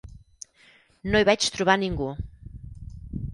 No hi vaig trobar ningú.